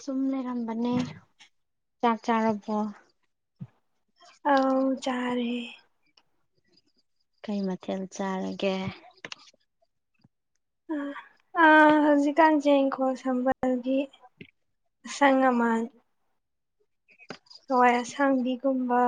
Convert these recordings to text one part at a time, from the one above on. ꯁꯨꯝ ꯂꯩ ꯌꯥꯝꯕꯅꯦ ꯆꯥꯛ ꯆꯥꯔꯕꯣ ꯑꯥꯎ ꯆꯥꯔꯦ ꯀꯩ ꯃꯊꯦꯜ ꯆꯥꯔꯒꯦ ꯎꯝ ꯑ ꯍꯧꯖꯤ ꯀꯥꯟ ꯆꯦ ꯒꯣꯜ ꯁꯝꯕꯜꯒꯤ ꯁꯉꯃꯜ [inaudible] ꯍꯋꯥꯏ ꯑꯁꯥꯡꯕꯤꯒꯨꯝꯕ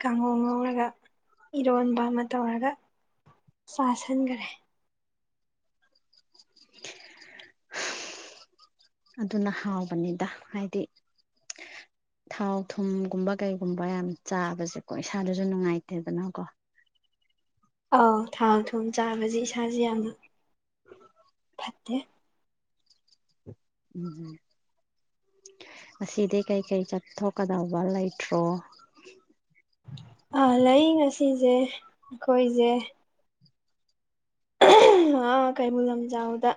ꯀꯥꯡꯍꯧ ꯉꯧꯔꯒ ꯏꯔꯣꯟꯕ ꯑꯃ ꯇꯧꯔꯒ ꯆꯁꯤꯟꯈꯔꯦ ꯑꯗꯨꯅ ꯍꯥꯎꯕꯅꯤꯗ ꯍꯥꯏꯗꯤ ꯊꯥꯎ ꯊꯨꯝꯒꯨꯝꯕ ꯀꯩꯒꯨꯝꯕ ꯌꯥꯝ ꯆꯥꯕꯁꯦꯀꯣ ꯏꯁꯥꯗꯁꯨ ꯅꯨꯡꯉꯥꯏꯇꯦꯗꯅꯀꯣ ꯑ ꯊꯥꯎ ꯊꯨꯝ ꯆꯥꯕꯁꯦ ꯏꯁꯥꯁꯦ ꯌꯥꯝꯅ ꯐꯠꯇꯦ ꯎꯝꯝ ꯑꯁꯤꯗꯤ ꯀꯩꯀꯩ ꯆꯠꯊꯣꯛꯀꯗꯧꯕ ꯂꯩꯇ꯭ꯔꯣ ꯂ ꯉꯁꯤꯁꯦ ꯑꯩꯈꯣꯏꯁꯦ ꯑ ꯀꯩꯕꯨꯜ ꯂꯝꯖꯥꯎꯗ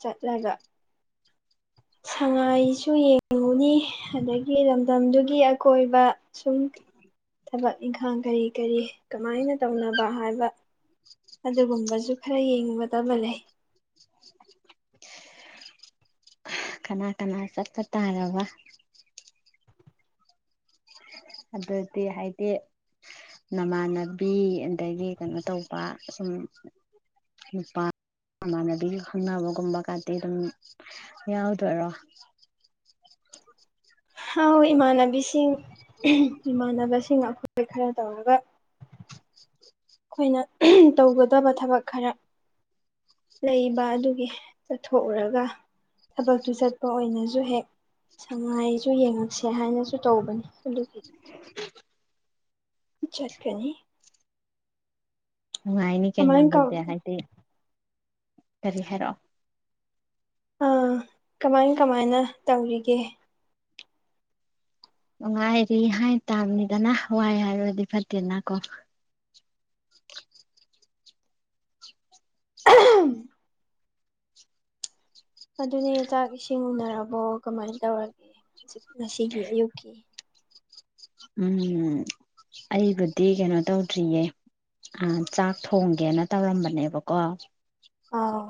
ꯆꯠꯂꯒ ꯁꯉꯥꯏꯁꯨ ꯌꯦꯡꯉꯨꯅꯤ ꯑꯗꯒꯤ ꯂꯝꯗꯝꯗꯨꯒꯤ ꯑꯀꯣꯏꯕ ꯁꯨꯝ ꯊꯕꯛ ꯏꯪꯈꯥꯡ ꯀꯔꯤ ꯀꯔꯤ ꯀꯃꯥꯏꯅ ꯇꯧꯅꯕ ꯍꯥꯏꯕ ꯑꯗꯨꯒꯨꯝꯕꯁꯨ ꯈꯔ ꯌꯦꯡꯉꯨꯒꯗꯕ ꯂꯩ ꯀꯅꯥ ꯀꯅꯥ ꯆꯠꯄ ꯇꯥꯔꯕ ꯑꯗꯨꯗꯤ ꯍꯥꯏꯗꯤ ꯅꯃꯥꯟꯅꯕꯤ ꯑꯗꯒꯤ ꯀꯩꯅꯣ ꯇꯧꯕ ꯁꯨꯝ ꯅꯨꯄꯥ ꯃꯃꯥꯟꯅꯕꯤꯁꯨ ꯈꯪꯅꯕꯒꯨꯝꯕ ꯀꯇꯤ ꯑꯗꯨꯝ ꯌꯥꯎꯗꯣꯏꯔꯣ ꯍꯥꯎ ꯏꯃꯥꯟꯅꯕꯤꯁꯤꯡ ꯏꯃꯥꯟꯅꯕꯁꯤꯡ ꯑꯩꯈꯣꯏ ꯏ ꯈꯔ ꯇꯧꯔꯒ ꯑꯩꯈꯣꯏꯅ ꯇꯧꯒꯗꯕ ꯊꯕꯛ ꯈꯔ ꯂꯩꯕ ꯑꯗꯨꯒꯤ ꯆꯠꯊꯣꯛꯎꯔꯒ ꯊꯕꯛꯇꯨ ꯆꯠꯄ ꯑꯣꯏꯅꯁꯨ ꯍꯦꯛ ꯁꯉꯥꯏꯁꯨ ꯌꯦꯡꯉꯛꯁꯦ ꯍꯥꯏꯅꯁꯨ ꯇꯧꯕꯅꯤ ꯑꯗꯨꯈꯤ ꯆꯠꯀꯅꯤ ꯅꯨꯡꯉꯥꯏꯅꯤ ꯀꯩꯅꯣ ꯀꯃꯥꯏ ꯑꯗꯨꯗꯤ ꯍꯥꯏꯗꯤ ꯀꯔꯤ ꯍꯥꯏꯔꯑꯣ ꯑꯥ ꯀꯃꯥꯏ ꯀꯃꯥꯏꯅ ꯇꯧꯔꯤꯒꯦ ꯅꯨꯡꯉꯥꯏꯔꯤ ꯍꯥꯏ ꯇꯥꯕꯅꯤꯗꯅ ꯋꯥꯏ ꯍꯥꯏꯔꯨꯔꯗꯤ ꯐꯠꯇꯦꯅ ꯀꯣ ꯑꯗꯨꯅꯦ ꯆꯥꯛ ꯏꯁꯤꯡ ꯎꯅꯔꯕꯣ ꯀꯃꯥꯏꯅ ꯇꯧꯔꯒꯦ ꯍꯧꯖꯤꯛ ꯉꯁꯤꯒꯤ ꯑꯌꯨꯛꯀꯤ ꯎꯝ ꯑꯩꯕꯨꯗꯤ ꯀꯩꯅꯣ ꯇꯧꯗ꯭ꯔꯤꯌꯦ ꯆꯥꯛ ꯊꯣꯡꯒꯦꯅ ꯇꯧꯔꯝꯕꯅꯦꯕꯀꯣ ꯑꯥ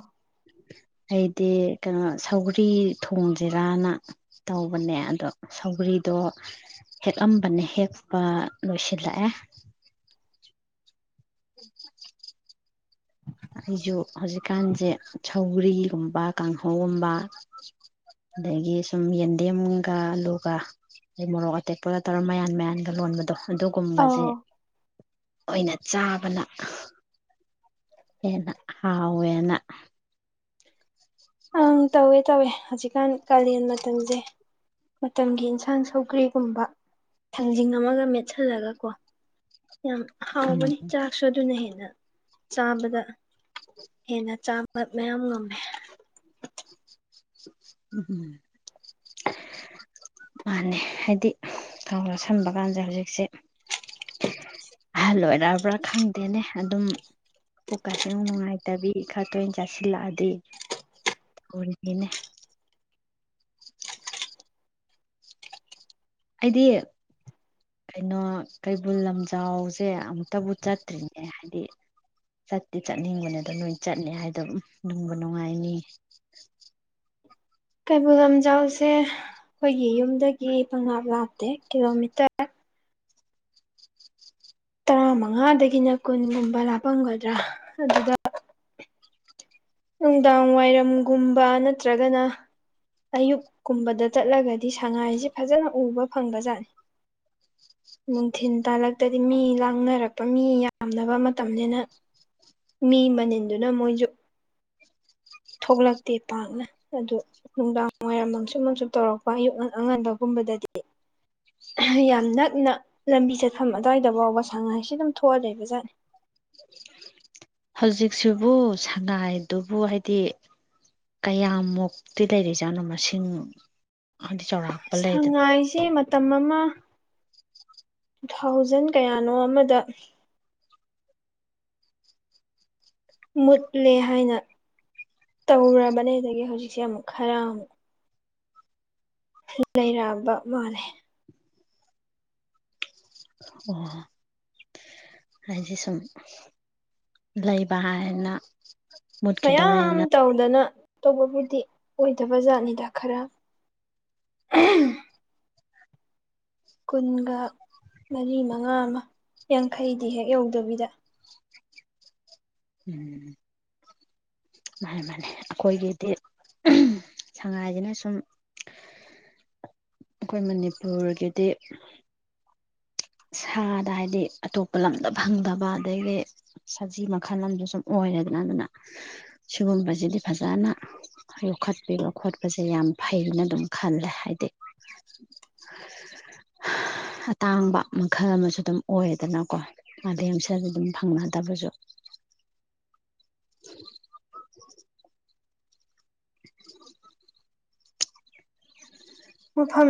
ꯑꯩꯗꯤ ꯀꯩꯅꯣ ꯁꯧꯒꯔꯤ ꯊꯣꯡꯁꯤꯔꯥꯅ ꯇꯧꯕꯅꯦ ꯑꯗꯣ ꯁꯧꯒ꯭ꯔꯤꯗꯣ ꯑꯝꯕꯅ ꯍꯦꯛꯄ ꯂꯣꯏꯁꯤꯜꯂꯛꯑꯦ ꯍ [inaudible] ꯑꯩꯁꯨ ꯍꯧꯖꯤꯛꯀꯥꯟꯁꯦ ꯁꯧꯒ꯭ꯔꯤꯒꯨꯝꯕ ꯀꯥꯡꯍꯧꯒꯨꯝꯕ ꯑꯗꯒꯤ ꯁꯨꯝ ꯌꯦꯟꯗꯦꯝꯒ ꯑꯂꯨꯒ ꯑ ꯃꯣꯔꯣꯛ ꯑꯇꯦꯛꯄꯒ ꯇꯧꯔꯒ ꯃꯌꯥꯟ ꯃꯌꯥꯟꯒ ꯂꯣꯟꯕꯗꯣ ꯑꯗꯨꯒꯨꯝꯕꯁꯦ ꯑꯥꯎ ꯑꯣꯏꯅ ꯆꯥꯕꯅ ꯍꯦꯟꯅꯥ ꯍꯥꯎꯌꯦꯅ ꯑ ꯇꯋꯦ ꯇꯋꯦ ꯍꯧꯖꯤ ꯖꯤꯀꯥꯟ ꯀꯥꯂꯦꯟ ꯃꯇꯝꯁꯦ ꯃꯇꯝꯒꯤ ꯏꯟꯁꯥꯡ ꯁꯧꯒ꯭ꯔꯤꯒꯨꯝꯕ ꯊꯟꯖꯤꯡ ꯑꯃꯒ ꯃꯦꯠꯁꯤꯜꯂꯒ ꯀꯣ ꯌꯥꯝ ꯎꯝ ꯍꯥꯎꯕꯅꯤ ꯆꯥꯛꯁꯨ ꯑꯗꯨꯅ ꯍꯦꯟꯅ ꯆꯥꯕꯗ ꯍꯦꯟꯅ ꯆꯥꯕ ꯃꯌꯥꯝ ꯉꯝꯃꯦ ꯎꯝ ꯃꯥꯅꯦ ꯍꯥꯏꯗꯤ ꯊꯧꯒ ꯁꯟꯕ ꯀꯥꯟꯁꯦ ꯍꯧꯖꯤꯛꯁꯦ ꯑꯍꯜ ꯑꯣꯏꯔꯛꯕ꯭ꯔꯥ ꯈꯪꯗꯦꯅꯦ ꯑꯗꯨꯝ ꯄꯨꯛꯀꯥꯁꯤ ꯅꯨꯡ ꯅꯨꯡꯉꯥꯏꯇꯕꯤ ꯈꯔ ꯇꯣꯏꯅ ꯆꯥꯁꯤꯜꯂꯛꯑꯗꯤ ꯏꯅꯦ [inaudible] ꯑꯩꯗꯤ ꯀꯩꯅꯣ ꯀꯩꯕꯨꯜ ꯂꯝꯖꯥꯎꯁꯦ ꯑꯃꯨꯛꯇꯕꯨ ꯆꯠꯇ꯭ꯔꯤꯅꯦ ꯍꯥꯏꯗꯤ ꯆꯠꯇꯤ ꯆꯠꯅꯤꯡꯕꯅꯦꯗ ꯅꯣꯏ ꯆꯠꯅꯤ ꯍꯥꯏꯗ ꯅꯨꯡꯕ ꯅꯨꯡꯉꯥꯏꯅꯤ ꯀꯩꯕꯨꯜ ꯂꯝꯖꯥꯎꯁꯦ ꯑꯩꯈꯣꯏꯒꯤ ꯌꯨꯝꯗꯒꯤ ꯄꯪ ꯂꯥꯛꯗꯦ ꯀꯤꯂꯣꯃꯤꯇꯔ ꯇꯔꯥꯃꯉꯥꯗꯒꯤꯅ ꯀꯨꯟꯒꯨꯝꯕ ꯂꯥꯞꯄꯝꯒꯗ꯭ꯔꯥ ꯑꯗꯨꯗ ꯅꯨꯡꯗꯥꯡ ꯋꯥꯏꯔꯝ ꯒꯨꯝꯕ ꯅꯠꯇ꯭ꯔꯒꯅ ꯑꯌꯨꯛ ꯀꯨꯝꯕꯗ ꯆꯠꯂꯒꯗꯤ ꯁꯉꯥꯏꯁꯤ ꯐꯖꯅ ꯎꯕ ꯐꯪꯕꯖꯥꯠꯅꯤ ꯅꯨꯡꯊꯤꯜ ꯇꯥꯜꯂꯛꯇꯗꯤ ꯃꯤ ꯂꯥꯡꯅꯔꯛꯄ ꯃꯤ ꯌꯥꯝꯅꯕ ꯃꯇꯝꯅꯤꯅ ꯃꯤ ꯃꯅꯤꯟꯗꯨꯅ ꯃꯣꯏꯁꯨ ꯊꯣꯛꯂꯛꯇꯦ ꯄꯥꯛꯅ ꯑꯗꯨ ꯅꯨꯡꯗꯥꯡ ꯋꯥꯏꯔꯝ ꯃꯪꯁꯨꯨꯞ ꯑꯃꯪꯁꯨꯨꯞ ꯇꯧꯔꯛꯄ ꯑꯌꯨꯛ ꯉ ꯑꯉꯟꯕꯒꯨꯝꯕꯗꯗꯤ ꯌꯥꯝ ꯅꯛꯅ ꯂꯝꯕꯤ ꯆꯠꯐꯝ ꯑꯗꯨꯋꯥꯏꯗ ꯐꯥꯎꯕ ꯁꯉꯥꯏꯁꯤ ꯑꯗꯨꯝ ꯊꯣꯛꯑ ꯂꯩꯕꯖꯥꯠꯅꯤ ꯍꯧꯖꯤꯛꯁꯤꯕꯨ ꯁꯉꯥꯏꯗꯨꯕꯨ ꯍꯥꯏꯗꯤ ꯀꯌꯥꯃꯨꯛꯇꯤ ꯂꯩꯔꯤꯖꯥꯠꯅꯣ ꯃꯁꯤꯡ ꯍꯥꯏꯗꯤ ꯆꯥꯎꯔꯥꯛꯄ ꯂꯩꯗꯅ ꯁꯉꯥꯏꯁꯦ ꯃꯇꯝ ꯑꯃ ꯇꯨ ꯊꯥꯎꯖꯟ ꯀꯌꯥꯅꯣ ꯑꯃꯗ ꯃꯨꯠꯂꯦ ꯍꯥꯏꯅ ꯇꯧꯔ ꯕꯅꯦ ꯍꯧꯖꯤꯛ ꯏꯆꯦ ꯑꯃꯨꯛ ꯈꯔ ꯑꯃꯨꯛ ꯂꯩꯔꯕ ꯃꯥꯜꯂꯦ ꯑꯣ ꯍꯥꯏꯗꯤ ꯁꯨꯝ ꯂꯩꯕ ꯍꯥꯏꯅ ꯃꯌꯥꯝ ꯃꯨꯠꯈꯤꯗꯧꯔꯦꯅ ꯇꯧꯗꯅ ꯇꯧꯕꯕꯨꯗꯤ ꯑꯣꯏꯗꯕ ꯖꯥꯠꯅꯤꯗ ꯈꯔ ꯀꯨꯟꯒ ꯃꯔꯤ ꯃꯉꯥ ꯑꯃ ꯌꯥꯡꯈꯩꯗꯤ ꯍꯦꯛ ꯌꯧꯗꯕꯤꯗ ꯎꯝ ꯃꯥ ꯃꯥꯅꯤ ꯑꯩꯈꯣꯏꯒꯤꯗꯤ ꯁꯉꯥꯏꯁꯤꯅ ꯁꯨꯝ ꯑꯩꯈꯣꯏ ꯃꯅꯤꯄꯨꯔꯒꯤꯗꯤ ꯁꯥꯗ ꯍꯥꯏꯗꯤ ꯑꯇꯣꯞꯄ ꯂꯝꯗ ꯐꯪꯗꯕ ꯑꯗꯒꯤ ꯁꯖꯤ ꯃꯈꯜ ꯑꯗ ꯁꯨꯝ ꯑꯣꯏꯔꯦꯗꯅ ꯑꯗꯨꯅ ꯁꯤꯒꯨꯝꯕꯁꯤꯗꯤ ꯐꯖꯅ ꯌꯣꯛꯈꯠꯄꯤꯕ ꯈꯣꯠꯄꯁꯦ ꯌꯥꯝ ꯐꯅ ꯑꯗꯨꯝ ꯈꯜꯂꯦ ꯍꯥꯏꯗꯤ ꯑꯇꯥꯡꯕ ꯃꯈꯜ ꯑꯃꯁꯨ ꯑꯗꯨꯝ ꯑꯣꯏꯌꯦꯗꯅꯀꯣ ꯑꯥꯗꯩ ꯑꯃꯁꯁꯤꯗꯤ ꯑꯗꯨꯝ ꯐꯪꯅꯗꯕꯁꯨ [inaudible] [inaudible] ꯃꯐꯝ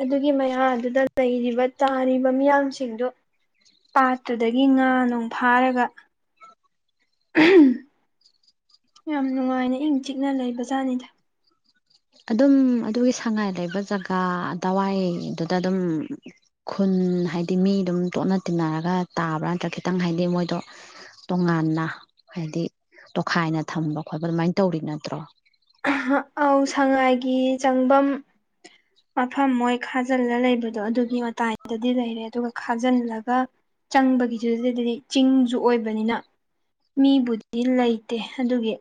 ꯑꯗꯨꯒꯤ ꯃꯌꯥ ꯑꯗꯨꯗ ꯂꯩꯔꯤꯕ ꯇꯥꯔꯤꯕ ꯃꯤꯌꯥꯝꯁꯤꯡꯗꯨ ꯄꯥꯠꯇ꯭ꯔꯗꯒꯤ ꯉꯥ ꯅꯨꯡ ꯐꯥꯔꯒ ꯌꯥꯝ ꯅꯨꯡꯉꯥꯏꯅ ꯏꯪ ꯆꯤꯛꯅ ꯂꯩ ꯕꯖꯥꯠꯅꯤꯗ ꯑꯗꯨꯝ ꯑꯗꯨꯒꯤ ꯁꯉꯥꯏ ꯂꯩꯕ ꯖꯒꯥꯗꯋꯥꯏꯗꯨꯗ ꯑꯗꯨꯝ ꯈꯨꯟ ꯍꯥꯏꯗꯤ ꯃꯤ ꯑꯗꯨꯝ ꯇꯣꯠꯅ ꯇꯤꯟꯅꯔꯒ ꯇꯥꯕ꯭ꯔꯥ ꯅꯠꯇ꯭ꯔꯒ ꯈꯤꯇꯪ ꯍꯥꯏꯗꯤ ꯃꯣꯏꯗꯣ ꯇꯣꯉꯥꯟꯅ ꯍꯥꯏꯗꯤ ꯇꯣꯈꯥꯏꯅ ꯊꯝꯕ ꯈꯣꯠꯄ ꯑꯗꯨꯃꯥꯏꯅ ꯇꯧꯔꯤ ꯅꯠꯇ꯭ꯔꯣ ꯁꯉꯥꯏꯒꯤ ꯆꯪꯐꯝ ꯃꯐꯝ ꯃꯣꯏ ꯈꯥꯖꯤꯜꯂ ꯂꯩꯕꯗꯨ ꯑꯗꯣ ꯑꯗꯨꯒꯤ ꯃꯇꯥꯏꯗꯗꯤ ꯂꯩꯔꯦ ꯑꯗꯨꯒ ꯈꯥꯖꯤꯜꯂꯒ ꯆꯪꯕꯒꯤꯗꯨꯗꯗꯤ ꯆꯤꯡꯁꯨ ꯑꯣꯏꯕꯅꯤꯅ ꯃꯤꯕꯨꯗꯤ ꯂꯩꯇꯦ ꯑꯗꯨꯒꯤ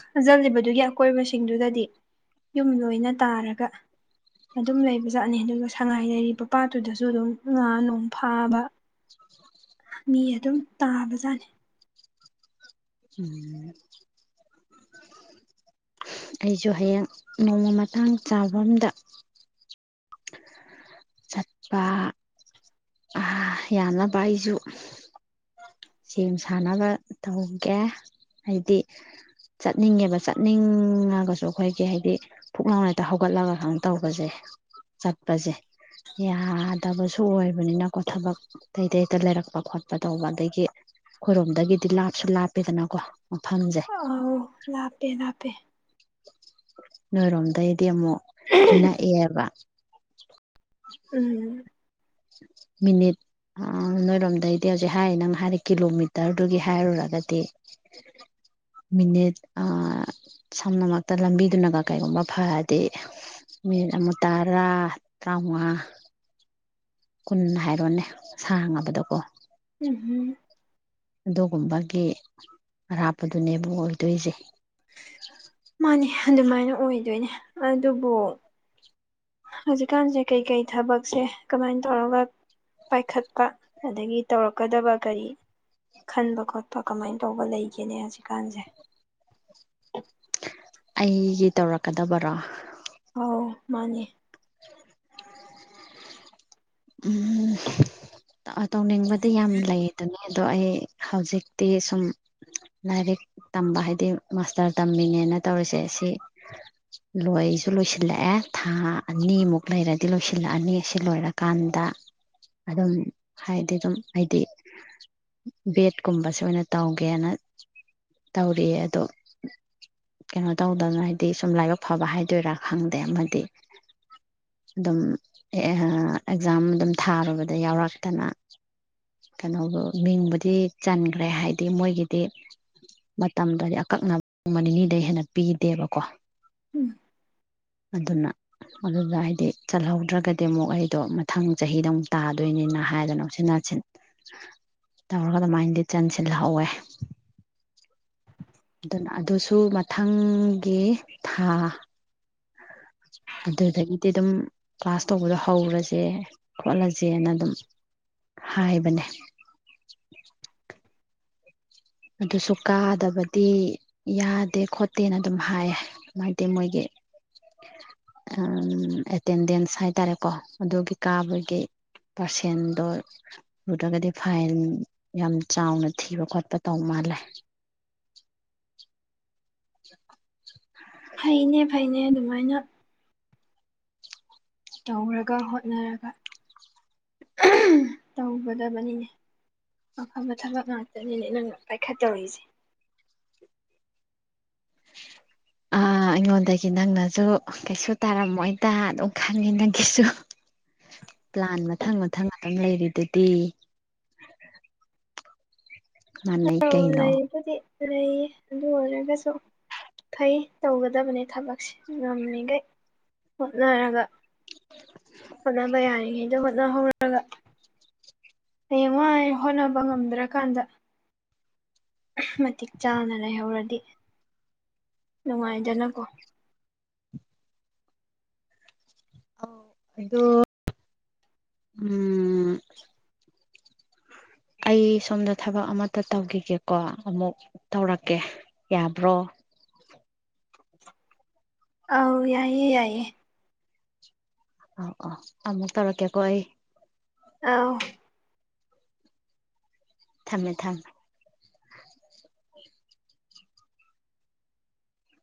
ꯈꯥꯖꯤꯜꯂꯤꯕꯗꯨꯒꯤ ꯑꯀꯣꯏꯕꯁꯤꯡꯗꯨꯗꯗꯤ ꯌꯨꯝ ꯂꯣꯏꯅ ꯇꯥꯔꯒ ꯑꯗꯨꯝ ꯂꯩꯕꯖꯥꯠꯅꯤ ꯑꯗꯨꯉ ꯁꯥꯏ ꯂꯩꯔꯤꯕ ꯄꯥꯠꯇꯨꯗꯁꯨ ꯑꯗꯨꯝ ꯉꯥ ꯅꯨꯡ ꯐꯥꯕ ꯃꯤ ꯑꯗꯨꯝ ꯇꯥꯕꯖꯥꯠꯅꯤ ꯑꯩꯁꯨ ꯍꯌꯦꯡ ꯅꯣꯡꯃ ꯃꯇꯥꯡ ꯆꯥꯕꯝꯗ ꯆꯠꯄ ꯑ ꯌꯥꯝꯅꯕ ꯑꯩꯁꯨ ꯁꯦꯝ ꯁꯥꯟꯅꯕ ꯇꯧꯒꯦ ꯍꯥꯏꯗꯤ ꯆꯠꯅꯤꯡꯉꯦꯕ ꯆꯠꯅꯤꯡꯉꯒꯁꯨ ꯑꯩꯈꯣꯏꯒꯤ ꯍꯥꯏꯗꯤ ꯐꯨꯛꯅꯥꯥꯎ ꯍꯦꯛꯇ ꯍꯧꯒꯠꯂꯒ ꯈꯪ ꯇꯧꯕꯁꯦ ꯆꯠꯄꯁꯦ ꯌꯥꯗꯕꯁꯨ ꯑꯣꯏꯕꯅꯤꯅꯀꯣ ꯊꯕꯛ ꯑꯇꯩꯇꯩꯇ ꯂꯩꯔꯛꯄ ꯈꯣꯠꯄ ꯇꯧꯕ ꯑꯗꯒꯤ ꯑꯩꯈꯣꯏꯔꯣꯝꯗꯒꯤꯗꯤ ꯂꯥꯞꯁꯨ ꯂꯥꯞꯄꯦꯗꯅꯀꯣ ꯃꯐꯝꯁꯦ ꯑꯥꯎ ꯂꯥꯞꯄꯦ ꯂꯥꯞꯄꯦ ꯅꯣꯏ ꯔꯣꯝꯗꯩꯩ ꯗꯤ ꯑꯃꯨꯛ ꯅꯛꯑꯦꯕ [inaudible] ꯎꯝ ꯃꯤꯅꯤꯠ ꯑꯥ ꯅꯣꯏꯔꯣꯝꯗꯩꯗꯤ ꯍꯧꯖꯤꯛ ꯍꯥꯏꯔꯤ ꯅꯪ ꯍꯥꯏꯔ ꯀꯤꯂꯣꯃꯤꯇꯔꯗꯨꯒꯤ ꯍꯥꯏꯔꯨꯔꯒꯗꯤ ꯃꯤꯅꯤꯠ ꯑꯥ ꯁꯝꯅꯃꯛꯇ ꯂꯝꯕꯤꯗꯨꯅꯒ ꯀꯔꯤꯒꯨꯝꯕ ꯐꯔꯗꯤ ꯃꯤꯅꯤꯠ ꯑꯃ ꯇꯔꯥ ꯇꯔꯥꯃꯉꯥ ꯀꯨꯟ ꯍꯥꯏꯔꯣꯅꯦ ꯁꯥꯡꯉꯕꯗꯀꯣ ꯎꯝꯍꯝ ꯑꯗꯨꯒꯨꯝꯕꯒꯤ ꯑꯔꯥꯞꯄꯗꯨꯅꯦꯕ ꯑꯣꯏꯗꯣꯏꯖ‌ꯦ ꯃꯥꯅꯦ ꯑꯗꯨꯃꯥꯏꯅ ꯑꯣꯏꯗꯣꯏꯅꯦ ꯑꯗꯨꯕꯨ ꯍꯧꯖꯤꯛꯀꯥꯟꯖ‌ꯦ ꯀꯩꯀꯩ ꯊꯕꯛꯁꯦ ꯀꯃꯥꯏꯅ ꯇꯧꯔꯒ ꯄꯥꯏꯈꯠꯄ ꯑꯗꯒꯤ ꯇꯧꯔꯛꯀꯗꯕ ꯀꯔꯤ ꯈꯟꯕ ꯈꯣꯠꯄ ꯀꯃꯥꯏꯅ ꯇꯧꯕ ꯂꯩꯒꯦꯅꯦ ꯍꯧꯖꯤꯛꯀꯥꯟꯖ‌ꯦ ꯑꯩꯒꯤ ꯇꯧꯔꯛꯀꯗꯕꯔꯣ ꯑꯧ ꯃꯥꯅꯦ [inaudible] ꯎꯝ ꯇꯧꯅꯤꯡꯕꯗꯤ ꯌꯥꯝ ꯂꯩꯗꯨꯅꯤ ꯑꯗꯣ ꯑꯩ ꯍꯧꯖꯤꯛꯇꯤ ꯁꯨꯝ ꯂꯥꯏꯔꯤꯛ ꯇꯝꯕ ꯍꯥꯏꯗꯤ ꯃꯥꯁꯇꯔ ꯇꯝꯃꯤꯅꯦꯅ ꯇꯧꯔꯤꯁꯦ ꯁꯤ ꯂꯣꯏꯁꯨ ꯂꯣꯏꯁꯤꯜꯂꯛꯑꯦ ꯊꯥ ꯑꯅꯤꯃꯨꯛ ꯂꯩꯔꯗꯤ ꯂꯣꯏꯁꯤꯜꯂꯛꯑꯅꯤ ꯁꯤ ꯂꯣꯏꯔꯒ ꯀꯥꯟꯗ ꯑꯗꯨꯝ ꯍꯥꯏꯗꯤ ꯑꯗꯨꯝ ꯑꯩꯗꯤ ꯕꯦꯠꯀꯨꯝꯕꯁꯦ ꯑꯣꯏꯅ ꯇꯧꯒꯦꯅ ꯇꯧꯔꯤꯌꯦ ꯑꯗꯣ ꯀꯩꯅꯣ ꯇꯧꯗꯅ ꯍꯥꯏꯗꯤ ꯁꯨꯝ ꯂꯥꯏꯕꯛ ꯐꯕ ꯍꯥꯏꯗꯣꯏꯔꯥ ꯈꯪꯗꯦ ꯑꯃꯗꯤ ꯑꯗꯨꯝ ꯑꯦꯛꯖꯥꯝ ꯑꯗꯨꯝ ꯊꯥꯔꯨꯕꯗ ꯌꯥꯎꯔꯛꯇꯅ ꯀꯩꯅꯣ ꯃꯤꯡꯕꯨꯗꯤ ꯆꯟꯈ꯭ꯔꯦ ꯍꯥꯏꯗꯤ ꯃꯣꯏꯒꯤꯗꯤ ꯃꯇꯝꯗꯣꯗꯤ ꯑꯀꯛꯅꯕ ꯅꯣꯡ ꯅꯤꯅꯤꯗ ꯍꯦꯟꯅ ꯄꯤꯗꯦꯕꯀꯣ ꯎꯝ ꯑꯗꯨꯅ ꯑꯗꯨꯗ ꯍꯥꯏꯗꯤ ꯆꯜꯍꯧꯗ꯭ꯔꯒꯗꯤ ꯑꯃꯨꯛ ꯑꯩ ꯑꯗꯣ ꯃꯊꯪ ꯆꯍꯤꯗ ꯑꯃꯨꯛ ꯇꯥꯗꯣꯏꯅꯤꯅ ꯍꯥꯏꯗꯅ ꯎꯆꯤꯟ ꯅꯥꯁꯤꯟ ꯇꯧꯔꯒ ꯑꯗꯨꯃꯥꯏꯅꯗꯤ ꯆꯟꯁꯤꯜꯍꯧꯋꯦ ꯑꯗꯨꯅ ꯑꯗꯨꯁꯨ ꯃꯊꯪꯒꯤ ꯊꯥ ꯑꯗꯨꯗꯒꯤꯗꯤ ꯑꯗꯨꯝ ꯀ꯭ꯂꯥꯁ ꯇꯧꯕꯗꯣ ꯍꯧꯔꯁꯦ ꯈꯣꯠꯂꯁꯦꯅ ꯑꯗꯨꯝ ꯍꯥꯏꯕꯅꯦ ꯑꯗꯨꯁꯨ ꯀꯥꯗꯕꯗꯤ ꯌꯥꯗꯦ ꯈꯣꯠꯇꯦꯅ ꯑꯗꯨꯝ ꯍꯥꯏꯌꯦ ꯍꯥꯏꯗꯤ ꯃꯣꯏꯒꯤ ꯑꯦꯇꯦꯟꯗꯦꯟꯁ ꯍꯥꯏꯇꯥꯔꯦꯀꯣ ꯑꯗꯨꯒꯤ ꯀꯥꯕꯒꯤ ꯄꯥꯔꯁꯦꯟꯗꯣ ꯁꯨꯗ꯭ꯔꯒꯗꯤ ꯐꯥꯏꯟ ꯌꯥꯝ ꯆꯥꯎꯅ ꯊꯤꯕ ꯈꯣꯠꯄ ꯇꯧ ꯃꯥꯜꯂꯦ [inaudible] ꯐꯩꯅꯦ ꯐꯩꯅꯦ ꯑꯗꯨꯝ ꯃꯥꯏꯅ ꯇꯧꯔꯒ ꯍꯣꯠꯅꯔꯒ ꯇꯧꯒꯗꯕꯅꯤꯅꯦ ꯑꯐꯕ ꯊꯕꯛ ꯉꯥꯛꯇꯅꯤꯅꯦ ꯅꯪꯅ ꯄꯥꯏꯈꯠꯇꯧꯔꯤꯁꯦ ꯑ ꯑꯩꯉꯣꯟꯗꯒꯤ ꯅꯪꯅꯁꯨ ꯀꯩꯁꯨ ꯇꯥꯔꯝꯃꯣꯏꯗ ꯑꯗꯨꯝ ꯈꯪꯉꯦ ꯅꯪꯒꯤꯁꯨ ꯄ꯭ꯂꯥꯟ ꯃꯊꯪ ꯃꯊꯪ ꯑꯗꯨꯝ ꯂꯩꯔꯤꯗꯨꯗꯤ ꯃꯥꯟꯅꯩ ꯑꯧ ꯀꯩꯅꯣ ꯂꯩꯕꯨꯗꯤ ꯂꯩꯌꯦ ꯑꯗꯨ ꯑꯣꯏꯔꯒꯁꯨ ꯐꯩ ꯇꯧꯒꯗꯕꯅꯦ ꯊꯕꯛꯁꯦ ꯉꯝꯃꯤꯈꯩ ꯍꯣꯠꯅꯔꯒ ꯍꯣꯠꯅꯕ ꯌꯔꯤ ꯉꯩꯗ ꯍꯣꯠꯅ ꯍꯧꯔꯔꯒ ꯍꯌꯦꯡꯋꯥꯏ ꯍꯣꯠꯅꯕ ꯉꯝꯗ꯭ꯔꯀꯥꯟꯗ ꯃꯇꯤꯛ ꯆꯥꯅ ꯂꯩꯍꯧꯔꯗꯤ ꯅꯨꯡꯉꯥꯏꯖꯅꯀꯣ ꯑ ꯑꯣ ꯎꯝ ꯑꯩ ꯁꯣꯝꯗ ꯊꯕꯛ ꯑꯃꯇ ꯇꯧꯈꯤꯒꯦꯀꯣ ꯑꯃꯨꯛ ꯇꯧꯔꯛꯀꯦ ꯌꯥꯕ꯭ꯔꯣ ꯑꯥꯎ ꯌꯥꯏꯌꯦ ꯌꯥꯏꯌꯦ ꯑꯥꯎ ꯑꯥꯎ ꯑꯃꯨꯛ ꯇꯧꯔꯛꯀꯦꯀꯣ ꯑꯩ ꯑꯧ ꯊꯝꯃꯦ ꯊꯝꯃꯦ